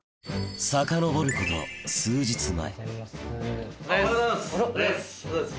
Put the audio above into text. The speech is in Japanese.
さかのぼること数日前おはようございます。